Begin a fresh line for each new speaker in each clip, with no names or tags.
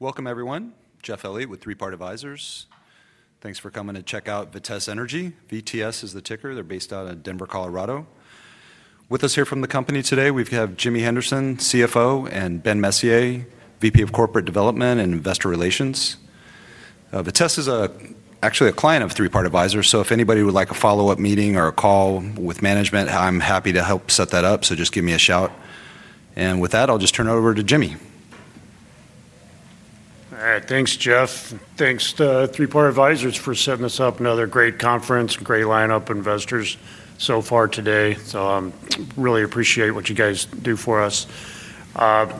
Welcome everyone, Jeff Elliott with Three Part Advisors. Thanks for coming to check out Vitesse Energy. VTS is the ticker. They're based out of Denver, Colorado. With us here from the company today, we have Jimmy Henderson, CFO, and Ben Messier, VP of Corporate Development and Investor Relations. Vitesse is actually a client of Three Part Advisors. If anybody would like a follow-up meeting or a call with management, I'm happy to help set that up. Just give me a shout. With that, I'll turn it over to Jimmy.
All right. Thanks, Jeff. Thanks to Three Part Advisors for setting us up. Another great conference, great lineup of investors so far today. I really appreciate what you guys do for us. As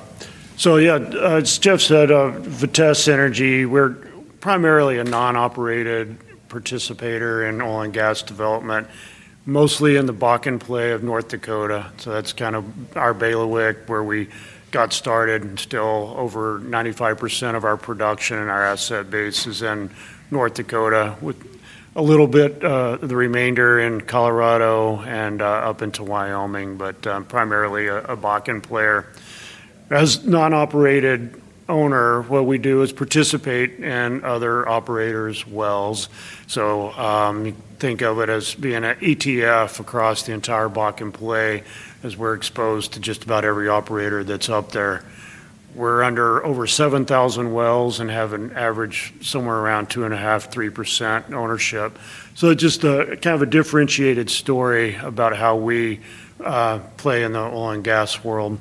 Jeff said, Vitesse Energy, we're primarily a non-operated participator in oil and gas development, mostly in the Bakken play of North Dakota. That's kind of our bailiwick where we got started. Still over 95% of our production and our asset base is in North Dakota, with a little bit of the remainder in Colorado and up into Wyoming, but primarily a Bakken player. As a non-operated owner, what we do is participate in other operators' wells. You think of it as being an ETF across the entire Bakken play as we're exposed to just about every operator that's up there. We're under over 7,000 wells and have an average somewhere around 2.5%-3% ownership. It's just kind of a differentiated story about how we play in the oil and gas world.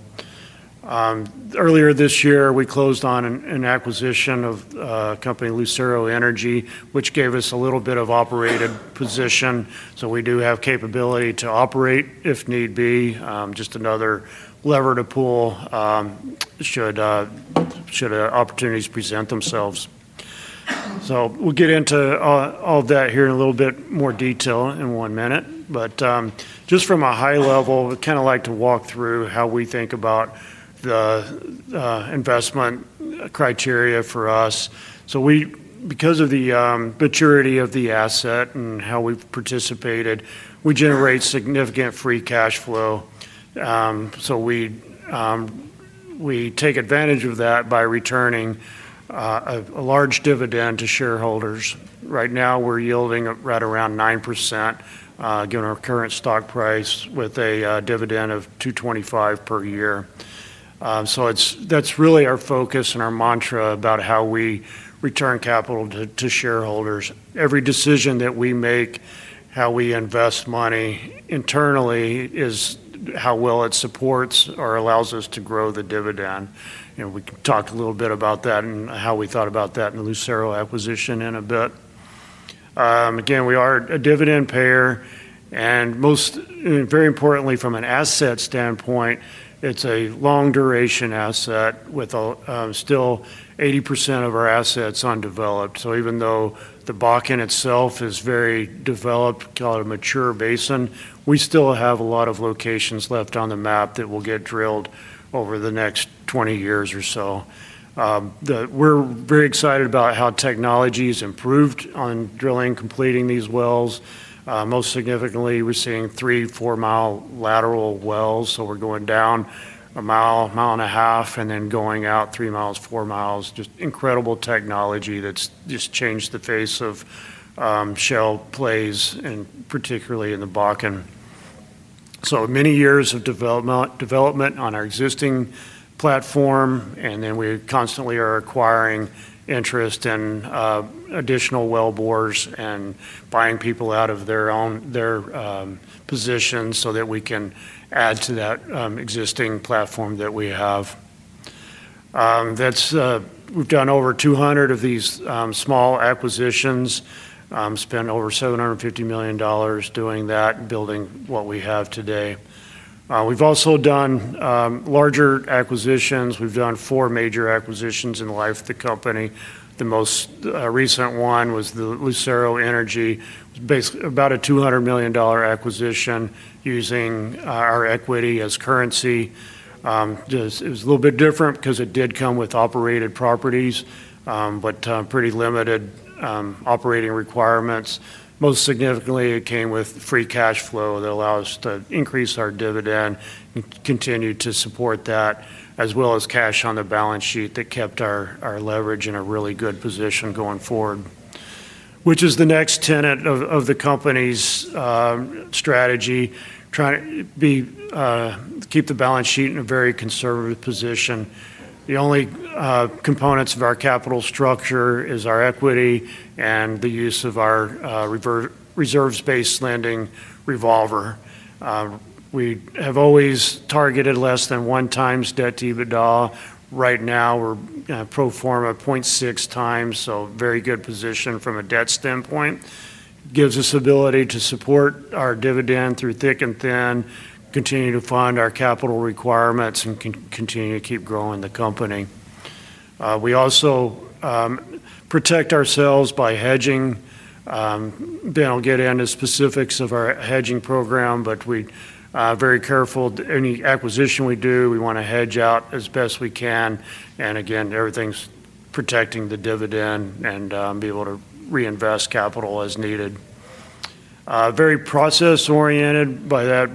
Earlier this year, we closed on an acquisition of a company, Lucero Energy Corp., which gave us a little bit of an operated position. We do have the capability to operate if need be, just another lever to pull should opportunities present themselves. We'll get into all of that here in a little bit more detail in one minute. From a high level, we'd kind of like to walk through how we think about the investment criteria for us. Because of the maturity of the asset and how we've participated, we generate significant free cash flow. We take advantage of that by returning a large dividend to shareholders. Right now, we're yielding right around 9% given our current stock price with a dividend of $2.25 per year. That's really our focus and our mantra about how we return capital to shareholders. Every decision that we make, how we invest money internally is how well it supports or allows us to grow the dividend. We talked a little bit about that and how we thought about that in the Lucero acquisition in a bit. Again, we are a dividend payer and, very importantly, from an asset standpoint, it's a long-duration asset with still 80% of our assets undeveloped. Even though the Bakken itself is very developed, call it a mature basin, we still have a lot of locations left on the map that will get drilled over the next 20 years or so. We're very excited about how technology has improved on drilling and completing these wells. Most significantly, we're seeing three 4-mile lateral wells. We're going down a mile, mile and a half, and then going out 3 miles, 4 miles, just incredible technology that's just changed the face of shale plays, and particularly in the Bakken. Many years of development on our existing platform, and we constantly are acquiring interest in additional well bores and buying people out of their own positions so that we can add to that existing platform that we have. We've done over 200 of these small acquisitions, spent over $750 million doing that and building what we have today. We've also done larger acquisitions. We've done four major acquisitions in the life of the company. The most recent one was the Lucero Energy Corp. acquisition, basically about a $200 million acquisition using our equity as currency. It was a little bit different because it did come with operated properties, but pretty limited operating requirements. Most significantly, it came with free cash flow that allowed us to increase our dividend and continue to support that, as well as cash on the balance sheet that kept our leverage in a really good position going forward, which is the next tenet of the company's strategy, trying to keep the balance sheet in a very conservative position. The only components of our capital structure are our equity and the use of our reserves-based lending revolver. We have always targeted less than one times debt/EBITDA. Right now, we're pro forma 0.6 times, so a very good position from a debt standpoint. It gives us the ability to support our dividend through thick and thin, continue to fund our capital requirements, and continue to keep growing the company. We also protect ourselves by hedging. Daniel will get into the specifics of our hedging program, but we're very careful with any acquisition we do. We want to hedge out as best we can. Everything's protecting the dividend and being able to reinvest capital as needed. Very process-oriented by that.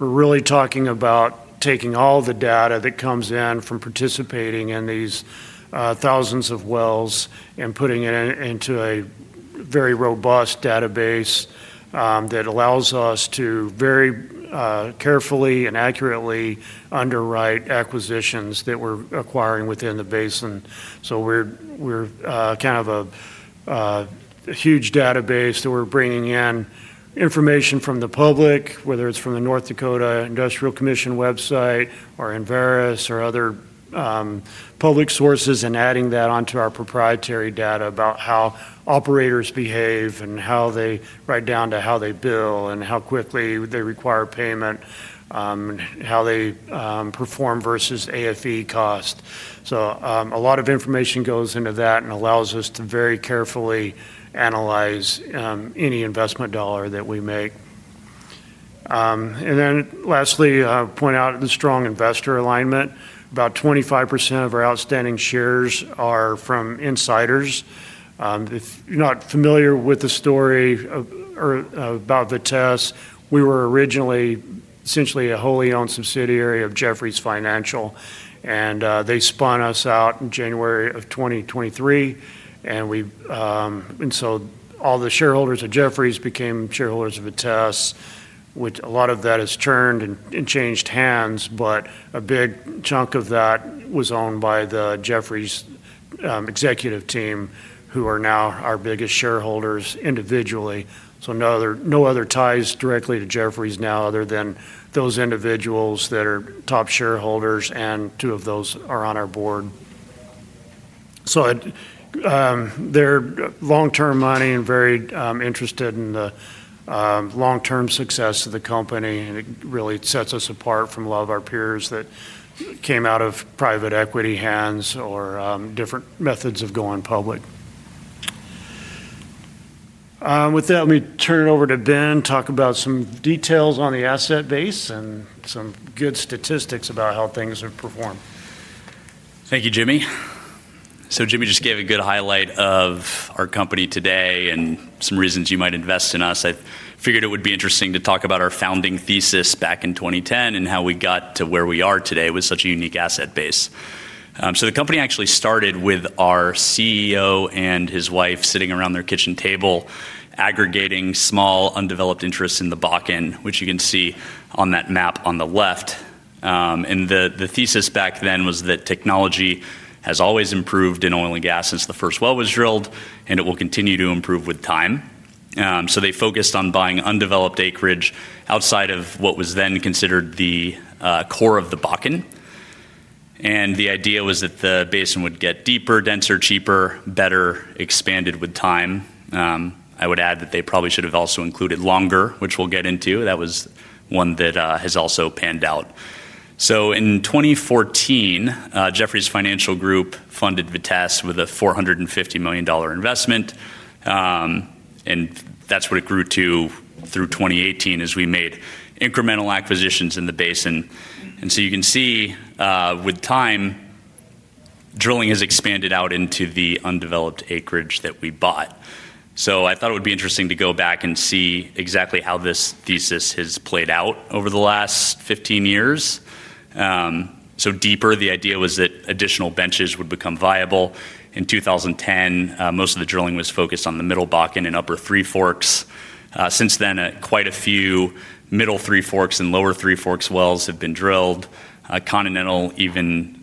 We're really talking about taking all the data that comes in from participating in these thousands of wells and putting it into a very robust database that allows us to very carefully and accurately underwrite acquisitions that we're acquiring within the basin. We're kind of a huge database that we're bringing in information from the public, whether it's from the North Dakota Industrial Commission website or Enverus or other public sources, and adding that onto our proprietary data about how operators behave and how they write down to how they bill and how quickly they require payment and how they perform versus AFE cost. A lot of information goes into that and allows us to very carefully analyze any investment dollar that we make. Lastly, I'll point out the strong investor alignment. About 25% of our outstanding shares are from insiders. If you're not familiar with the story about Vitesse, we were originally essentially a wholly owned subsidiary of Jefferies Financial Group. They spun us out in January of 2023, and all the shareholders of Jefferies became shareholders of Vitesse, which a lot of that has turned and changed hands. A big chunk of that was owned by the Jefferies executive team, who are now our biggest shareholders individually. No other ties directly to Jefferies now other than those individuals that are top shareholders, and two of those are on our board. They're long-term money and very interested in the long-term success of the company. It really sets us apart from a lot of our peers that came out of private equity hands or different methods of going public. With that, let me turn it over to Ben to talk about some details on the asset base and some good statistics about how things have performed.
Thank you, Jimmy. Jimmy just gave a good highlight of our company today and some reasons you might invest in us. I figured it would be interesting to talk about our founding thesis back in 2010 and how we got to where we are today with such a unique asset base. The company actually started with our CEO and his wife sitting around their kitchen table, aggregating small undeveloped interests in the Bakken, which you can see on that map on the left. The thesis back then was that technology has always improved in oil and gas since the first well was drilled, and it will continue to improve with time. They focused on buying undeveloped acreage outside of what was then considered the core of the Bakken. The idea was that the basin would get deeper, denser, cheaper, better, expanded with time. I would add that they probably should have also included longer, which we'll get into. That was one that has also panned out. In 2014, Jefferies Financial Group funded Vitesse, with a $450 million investment. That's what it grew to through 2018, as we made incremental acquisitions in the basin. You can see with time, drilling has expanded out into the undeveloped acreage that we bought. I thought it would be interesting to go back and see exactly how this thesis has played out over the last 15 years. Deeper, the idea was that additional benches would become viable. In 2010, most of the drilling was focused on the middle Bakken and upper Three Forks. Since then, quite a few middle Three Forks and lower Three Forks wells have been drilled. Continental Resources even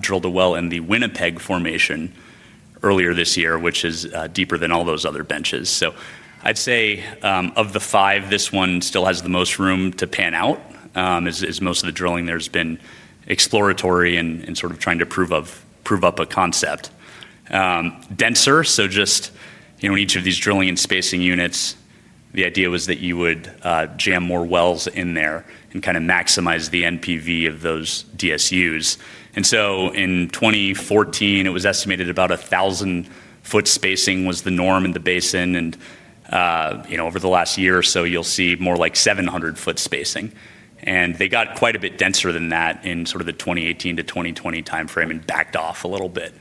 drilled a well in the Winnipeg formation earlier this year, which is deeper than all those other benches. I'd say of the five, this one still has the most room to pan out, as most of the drilling there has been exploratory and sort of trying to prove up a concept. Denser, just in each of these drilling and spacing units, the idea was that you would jam more wells in there and kind of maximize the NPV of those DSUs. In 2014, it was estimated about 1,000-foot spacing was the norm in the basin. Over the last year or so, you'll see more like 700-foot spacing. They got quite a bit denser than that in the 2018 to 2020 time frame and backed off a little bit.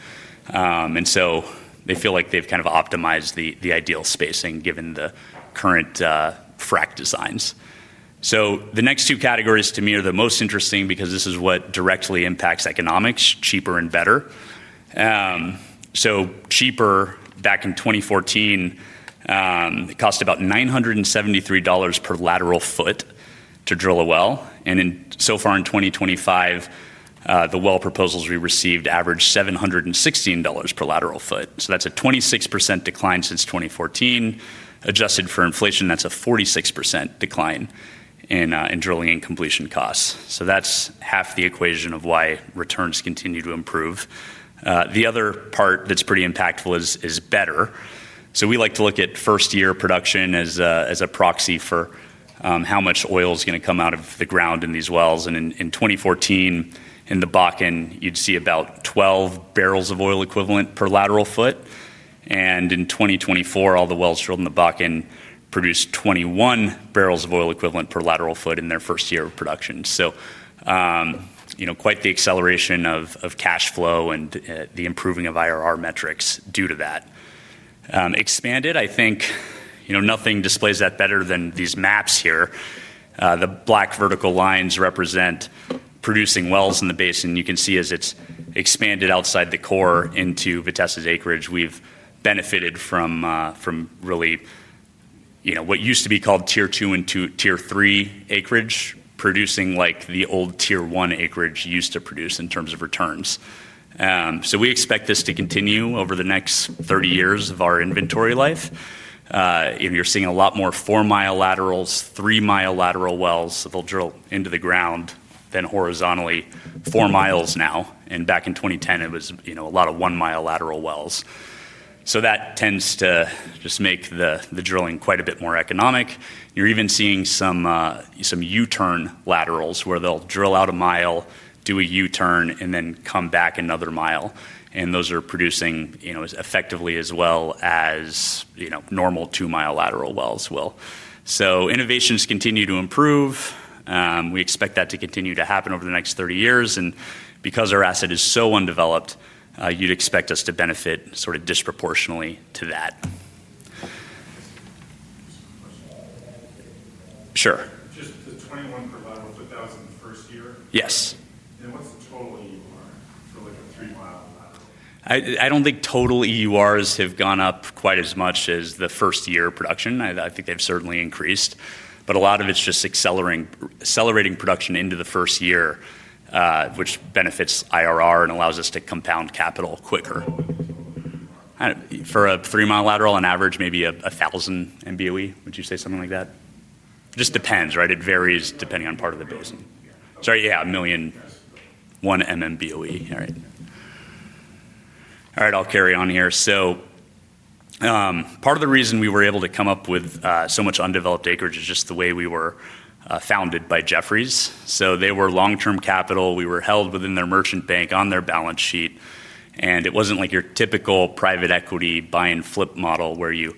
They feel like they've kind of optimized the ideal spacing given the current frac designs. The next two categories to me are the most interesting because this is what directly impacts economics: cheaper and better. Cheaper, back in 2014, cost about $973 per lateral foot to drill a well. So far in 2025, the well proposals we received averaged $716 per lateral foot. That's a 26% decline since 2014, adjusted for inflation. That's a 46% decline in drilling and completion costs. That's half the equation of why returns continue to improve. The other part that's pretty impactful is better. We like to look at first-year production as a proxy for how much oil is going to come out of the ground in these wells. In 2014, in the Bakken, you'd see about 12 barrels of oil equivalent per lateral foot. In 2024, all the wells drilled in the Bakken produced 21 barrels of oil equivalent per lateral foot in their first year of production. Quite the acceleration of cash flow and the improving of IRR metrics due to that. Expanded, I think nothing displays that better than these maps here. The black vertical lines represent producing wells in the basin. You can see as it's expanded outside the core into Vitesse's acreage, we've benefited from really what used to be called tier two and tier three acreage, producing like the old tier one acreage used to produce in terms of returns. We expect this to continue over the next 30 years of our inventory life. You're seeing a lot more four-mile laterals, three-mile lateral wells that they'll drill into the ground than horizontally. Four miles now. Back in 2010, it was a lot of one-mile lateral wells. That tends to just make the drilling quite a bit more economic. You're even seeing some U-turn laterals where they'll drill out a mile, do a U-turn, and then come back another mile. Those are producing effectively as well as normal two-mile lateral wells will. Innovations continue to improve. We expect that to continue to happen over the next 30 years. Because our asset is so undeveloped, you'd expect us to benefit sort of disproportionately to that. Yes. I don't think total EURs have gone up quite as much as the first-year production. I think they've certainly increased, but a lot of it's just accelerating production into the first year, which benefits IRR and allows us to compound capital quicker. For a three-mile lateral, an average maybe 1,000 MBLE, would you say something like that? It just depends, right? It varies depending on part of the basin. Sorry, yeah, a million, 1 MMBLE. All right. I'll carry on here. Part of the reason we were able to come up with so much undeveloped acreage is just the way we were founded by Jefferies. They were long-term capital. We were held within their merchant bank on their balance sheet. It wasn't like your typical private equity buy and flip model where you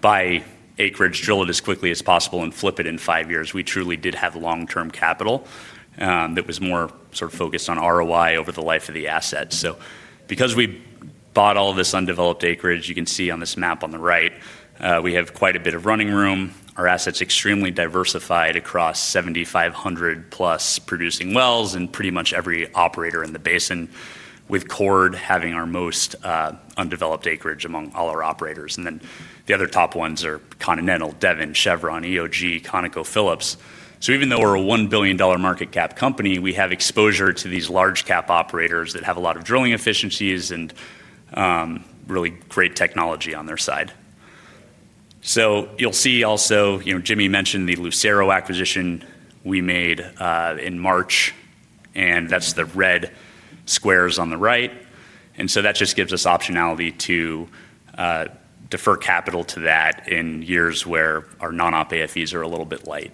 buy acreage, drill it as quickly as possible, and flip it in five years. We truly did have long-term capital that was more sort of focused on ROI over the life of the asset. Because we bought all this undeveloped acreage, you can see on this map on the right, we have quite a bit of running room. Our asset's extremely diversified across 7,500 plus producing wells and pretty much every operator in the basin, with Cord having our most undeveloped acreage among all our operators. The other top ones are Continental Resources, Devon Energy, Chevron, EOG Resources, ConocoPhillips. Even though we're a $1 billion market cap company, we have exposure to these large cap operators that have a lot of drilling efficiencies and really great technology on their side. You'll see also, Jimmy mentioned the Lucero Energy Corp. acquisition we made in March, and that's the red squares on the right. That just gives us optionality to defer capital to that in years where our non-op AFEs are a little bit light.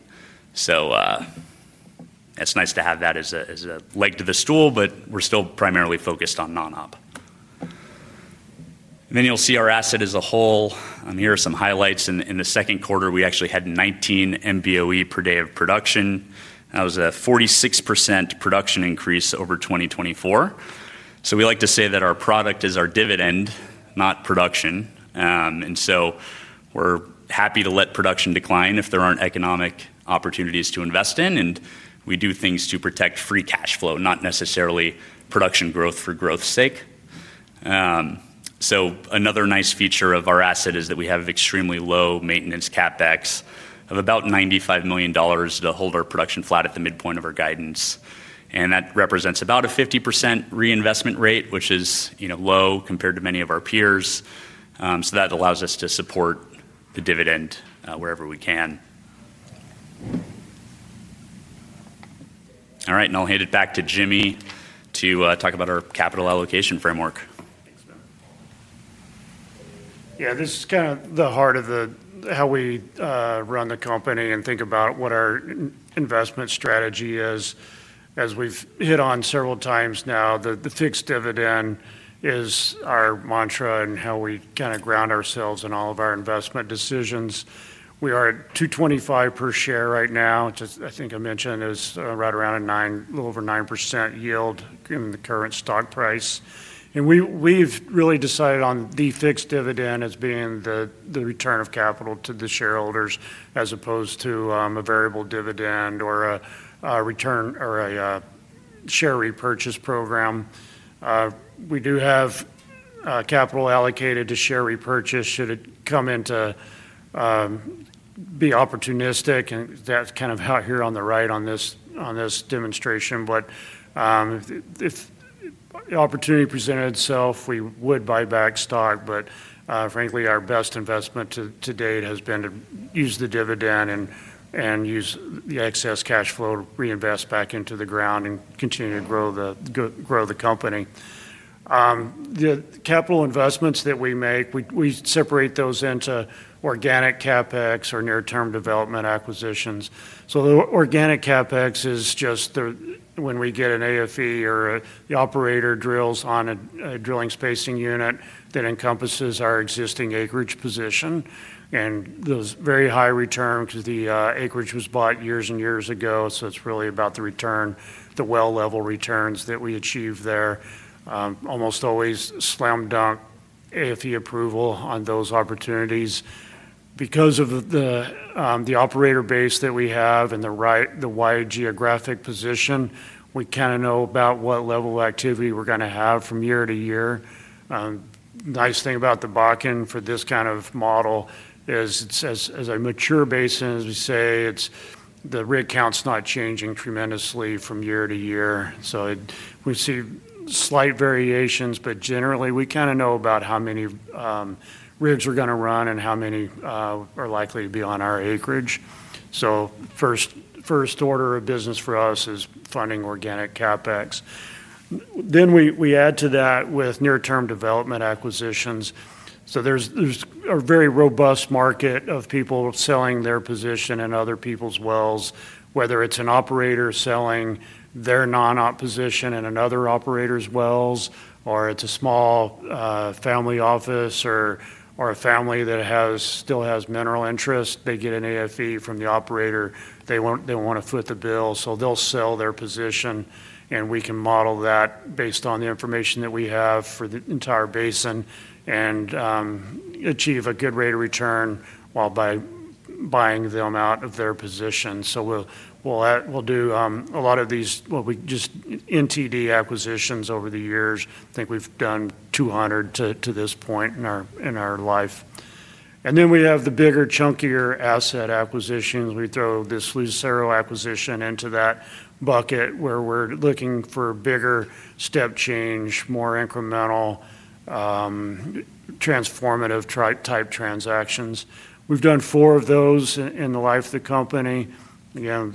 It's nice to have that as a leg to the stool, but we're still primarily focused on non-op. You'll see our asset as a whole. Here are some highlights. In the second quarter, we actually had 19 MMBLE per day of production. That was a 46% production increase over 2024. We like to say that our product is our dividend, not production. We're happy to let production decline if there aren't economic opportunities to invest in. We do things to protect free cash flow, not necessarily production growth for growth's sake. Another nice feature of our asset is that we have extremely low maintenance capex of about $95 million to hold our production flat at the midpoint of our guidance. That represents about a 50% reinvestment rate, which is low compared to many of our peers. That allows us to support the dividend wherever we can. I'll hand it back to Jimmy to talk about our capital allocation framework.
Yeah, this is kind of the heart of how we run the company and think about what our investment strategy is. As we've hit on several times now, the fixed dividend is our mantra and how we kind of ground ourselves in all of our investment decisions. We are at $2.25 per share right now, which I think I mentioned is right around a little over 9% yield in the current stock price. We've really decided on the fixed dividend as being the return of capital to the shareholders as opposed to a variable dividend or a return or a share repurchase program. We do have capital allocated to share repurchase should it come in to be opportunistic. That's kind of out here on the right on this demonstration. If the opportunity presented itself, we would buy back stock. Frankly, our best investment to date has been to use the dividend and use the excess cash flow to reinvest back into the ground and continue to grow the company. The capital investments that we make, we separate those into organic capex or near-term development acquisitions. The organic capex is just when we get an AFE or the operator drills on a drilling spacing unit that encompasses our existing acreage position. Those are very high returns because the acreage was bought years and years ago. It's really about the return, the well level returns that we achieve there. Almost always slam dunk AFE approval on those opportunities. Because of the operator base that we have and the wide geographic position, we kind of know about what level of activity we're going to have from year to year. The nice thing about the Bakken for this kind of model is as a mature basin, as we say, the rig count's not changing tremendously from year to year. We see slight variations, but generally we kind of know about how many rigs are going to run and how many are likely to be on our acreage. First order of business for us is funding organic capex. We add to that with near-term development acquisitions. There's a very robust market of people selling their position in other people's wells. Whether it's an operator selling their non-op position in another operator's wells, or it's a small family office or a family that still has mineral interest, they get an AFE from the operator. They want to foot the bill, so they'll sell their position. We can model that based on the information that we have for the entire basin and achieve a good rate of return while buying them out of their position. We do a lot of these, what we just call NTD acquisitions over the years. I think we've done 200 to this point in our life. Then we have the bigger, chunkier asset acquisitions. We throw this Lucero acquisition into that bucket where we're looking for bigger step change, more incremental, transformative type transactions. We've done four of those in the life of the company. Again,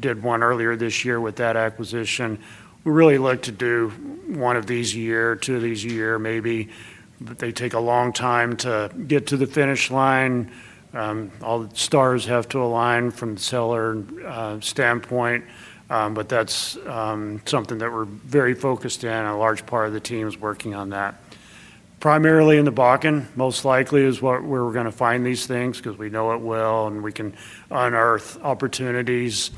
did one earlier this year with that acquisition. We really like to do one of these a year, two of these a year maybe, but they take a long time to get to the finish line. All the stars have to align from the seller standpoint. That is something that we're very focused on, and a large part of the team is working on that. Primarily in the Bakken, most likely is where we're going to find these things because we know it well, and we can unearth opportunities.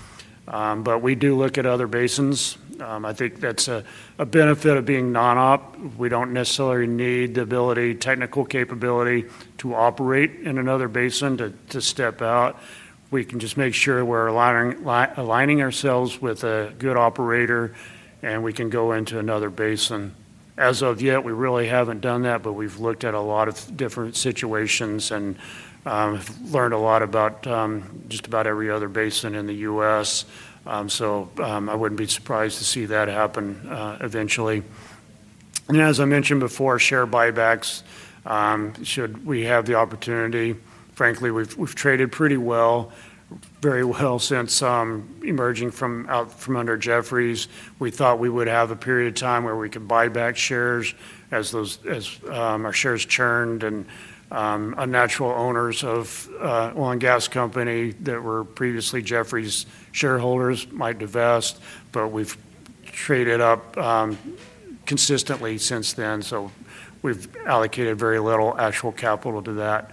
We do look at other basins. I think that's a benefit of being non-op. We don't necessarily need the technical capability to operate in another basin to step out. We can just make sure we're aligning ourselves with a good operator, and we can go into another basin. As of yet, we really haven't done that, but we've looked at a lot of different situations and learned a lot about just about every other basin in the U.S. I wouldn't be surprised to see that happen eventually. As I mentioned before, share buybacks, should we have the opportunity. Frankly, we've traded pretty well, very well since emerging from under Jefferies. We thought we would have a period of time where we could buy back shares as our shares churned and unnatural owners of oil and gas company that were previously Jefferies shareholders might divest. We've traded up consistently since then. We've allocated very little actual capital to that.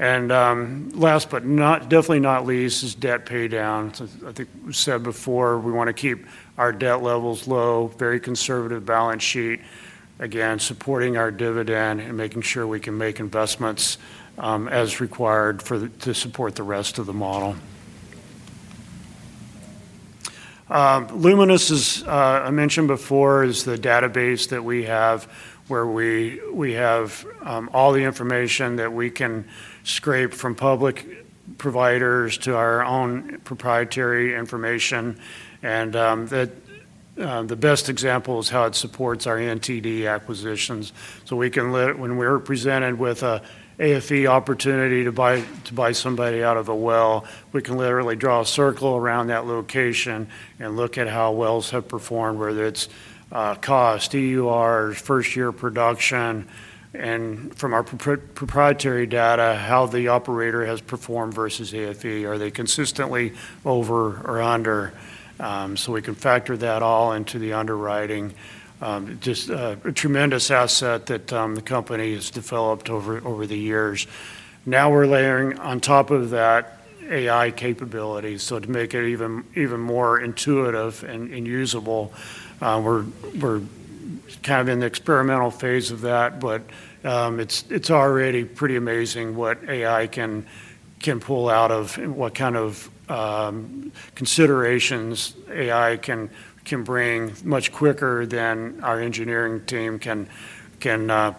Last but definitely not least is debt pay down. I think we said before, we want to keep our debt levels low, very conservative balance sheet, again, supporting our dividend and making sure we can make investments as required to support the rest of the model. Luminous, as I mentioned before, is the database that we have where we have all the information that we can scrape from public providers to our own proprietary information. The best example is how it supports our NTD acquisitions. When we're presented with an AFE opportunity to buy somebody out of a well, we can literally draw a circle around that location and look at how wells have performed, whether it's cost, EUR, first-year production, and from our proprietary data, how the operator has performed versus AFE. Are they consistently over or under? We can factor that all into the underwriting. It's just a tremendous asset that the company has developed over the years. Now we're layering on top of that AI capability to make it even more intuitive and usable. We're kind of in the experimental phase of that, but it's already pretty amazing what AI can pull out of and what kind of considerations AI can bring much quicker than our engineering team can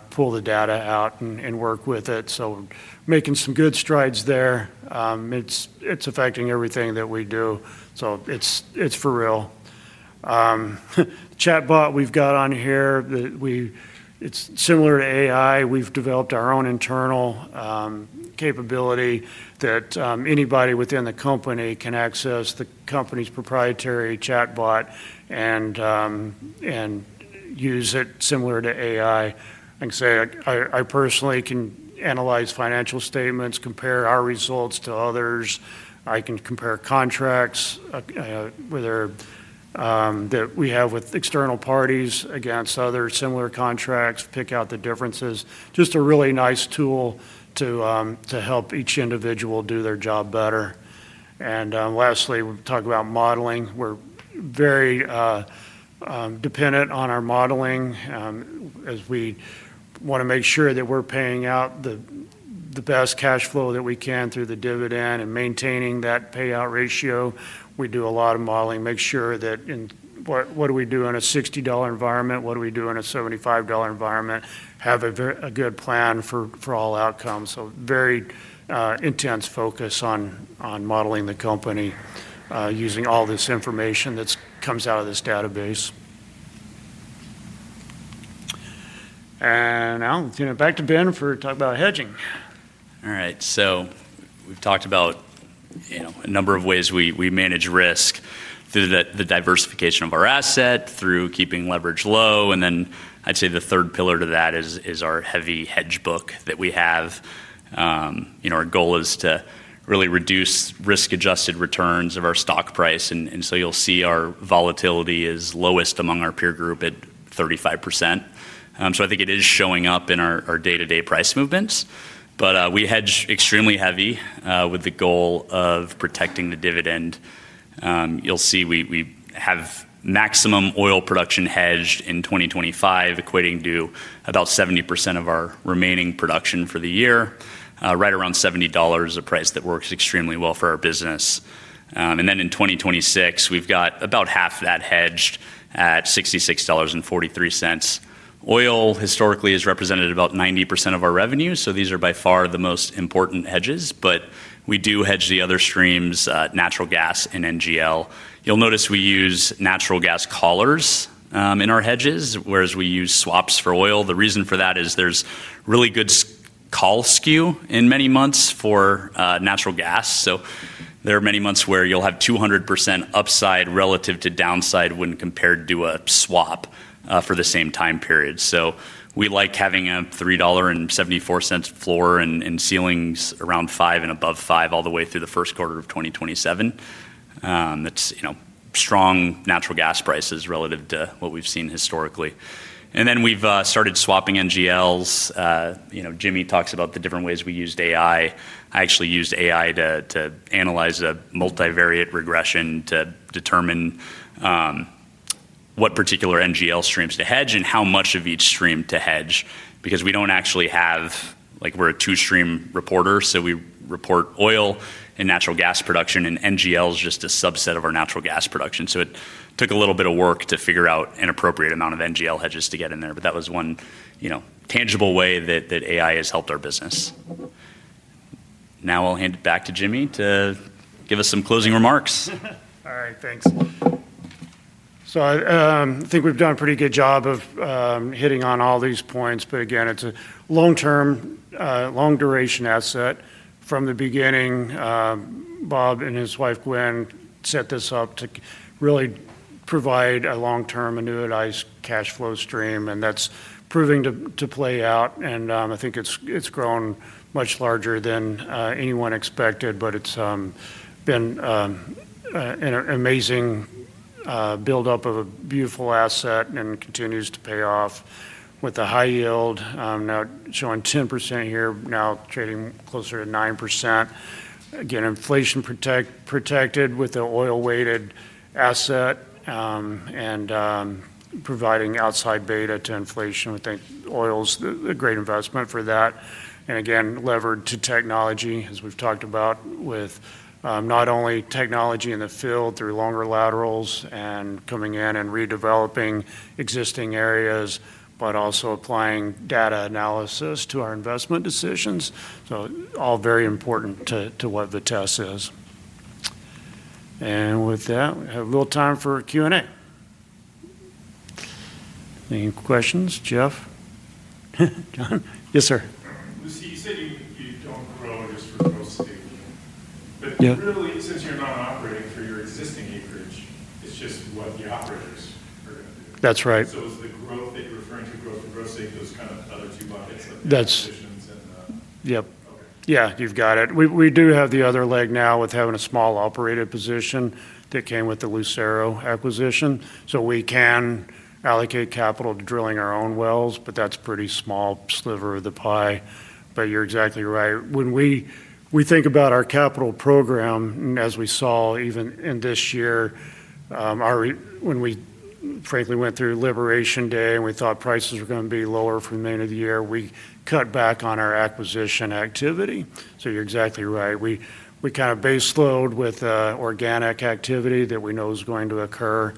pull the data out and work with it. We're making some good strides there. It's affecting everything that we do. It's for real. The chatbot we've got on here is similar to AI. We've developed our own internal capability so that anybody within the company can access the company's proprietary chatbot and use it similar to AI. I can say I personally can analyze financial statements, compare our results to others, and compare contracts that we have with external parties against other similar contracts, pick out the differences. It's just a really nice tool to help each individual do their job better. Lastly, we talk about modeling. We're very dependent on our modeling as we want to make sure that we're paying out the best cash flow that we can through the dividend and maintaining that payout ratio. We do a lot of modeling to make sure that what do we do in a $60 environment, what do we do in a $75 environment, and have a good plan for all outcomes. There's a very intense focus on modeling the company using all this information that comes out of this database. Now back to Ben for talking about hedging.
All right. We've talked about a number of ways we manage risk through the diversification of our asset, through keeping leverage low. I'd say the third pillar to that is our heavy hedge book that we have. Our goal is to really reduce risk-adjusted returns of our stock price. You'll see our volatility is lowest among our peer group at 35%. I think it is showing up in our day-to-day price movements. We hedge extremely heavy with the goal of protecting the dividend. You'll see we have maximum oil production hedged in 2025, equating to about 70% of our remaining production for the year, right around $70 is a price that works extremely well for our business. In 2026, we've got about half that hedged at $66.43. Oil historically has represented about 90% of our revenue. These are by far the most important hedges. We do hedge the other streams, natural gas and NGL. You'll notice we use natural gas collars in our hedges, whereas we use swaps for oil. The reason for that is there's really good call skew in many months for natural gas. There are many months where you'll have 200% upside relative to downside when compared to a swap for the same time period. We like having a $3.74 floor and ceilings around $5 and above $5 all the way through the first quarter of 2027. That's strong natural gas prices relative to what we've seen historically. We've started swapping NGLs. Jimmy talks about the different ways we used AI. I actually used AI to analyze a multivariate regression to determine what particular NGL streams to hedge and how much of each stream to hedge. We don't actually have, like we're a two-stream reporter, so we report oil and natural gas production, and NGL is just a subset of our natural gas production. It took a little bit of work to figure out an appropriate amount of NGL hedges to get in there. That was one tangible way that AI has helped our business. Now I'll hand it back to Jimmy to give us some closing remarks.
All right, thanks. I think we've done a pretty good job of hitting on all these points. Again, it's a long-term, long-duration asset. From the beginning, Bob and his wife, Gwen, set this up to really provide a long-term annuitized cash flow stream. That's proving to play out. I think it's grown much larger than anyone expected. It's been an amazing build-up of a beautiful asset and continues to pay off with a high yield. Now showing 10% here, now trading closer to 9%. Inflation protected with the oil-weighted asset and providing outside beta to inflation. I think oil is a great investment for that. Again, levered to technology, as we've talked about, with not only technology in the field through longer laterals and coming in and redeveloping existing areas, but also applying data analysis to our investment decisions. All very important to what Vitesse is. With that, we have a little time for a Q&A. Any questions, Jeff? John? Yes, sir.
You said you don't grow in this growth, but really, since you're not operating for your existing acreage, it's just one of the operators.
That's right.
It's the growth that you're trying to grow, let's say, those kind of two miles.
Yep. Yeah, you've got it. We do have the other leg now with having a small operated position that came with the Lucero Energy Corp. acquisition. We can allocate capital to drilling our own wells, but that's a pretty small sliver of the pie. You're exactly right. When we think about our capital program, as we saw even in this year, when we frankly went through Liberation Day and we thought prices were going to be lower for the remainder of the year, we cut back on our acquisition activity. You're exactly right. We kind of baseload with organic activity that we know is going to occur,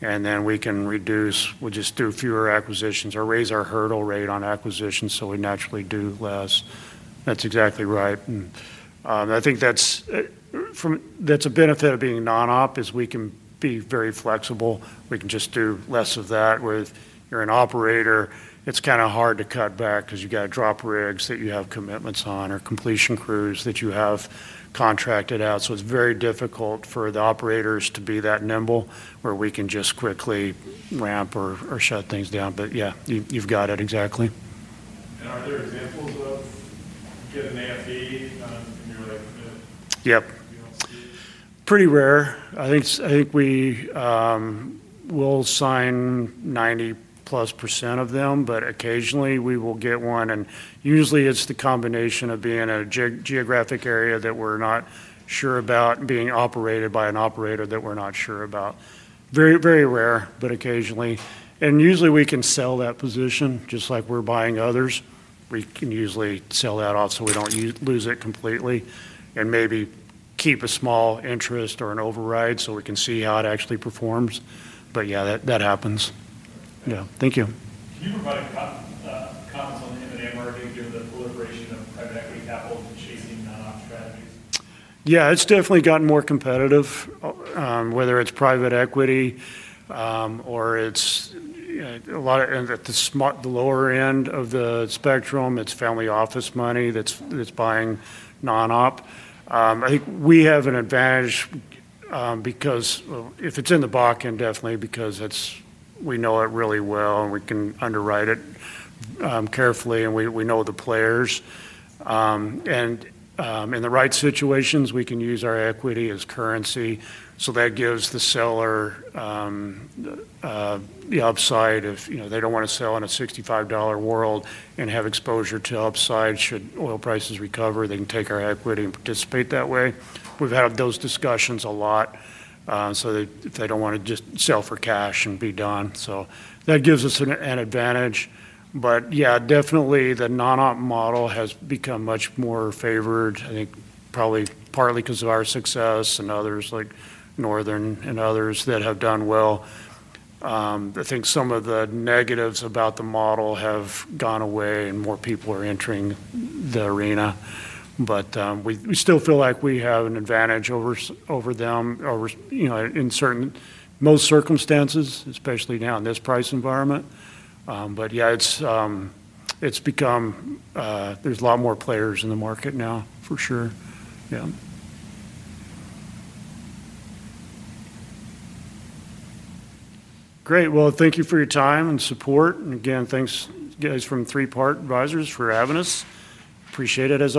and then we can reduce, we'll just do fewer acquisitions or raise our hurdle rate on acquisitions, so we naturally do less. That's exactly right. I think that's a benefit of being non-op is we can be very flexible. We can just do less of that. When you're an operator, it's kind of hard to cut back because you've got to drop rigs that you have commitments on or completion crews that you have contracted out. It's very difficult for the operators to be that nimble where we can just quickly ramp or shut things down. Yeah, you've got it exactly.
Are there examples of getting an AFE?
Yep. Pretty rare. I think we will sign 90% plus of them, but occasionally we will get one. It is usually the combination of being in a geographic area that we're not sure about and being operated by an operator that we're not sure about. Very, very rare, but occasionally. Usually we can sell that position just like we're buying others. We can usually sell that off so we don't lose it completely and maybe keep a small interest or an override so we can see how it actually performs. Yeah, that happens. Yeah, thank you.
It might be given the proliferation of private equity capitals and chasing non-op strategies.
Yeah, it's definitely gotten more competitive, whether it's private equity or it's a lot of ends at the lower end of the spectrum. It's family office money that's buying non-op. I think we have an advantage because if it's in the Bakken, definitely because we know it really well and we can underwrite it carefully and we know the players. In the right situations, we can use our equity as currency. That gives the seller the upside if they don't want to sell in a $65 world and have exposure to upside. Should oil prices recover, they can take our equity and participate that way. We've had those discussions a lot. They don't want to just sell for cash and be done. That gives us an advantage. Yeah, definitely the non-op model has become much more favored. I think probably partly because of our success and others like Northern and others that have done well. I think some of the negatives about the model have gone away and more people are entering the arena. We still feel like we have an advantage over them in certain most circumstances, especially now in this price environment. It's become, there's a lot more players in the market now for sure. Great. Thank you for your time and support. Again, thanks guys from Three Part Advisors for having us. Appreciate it as.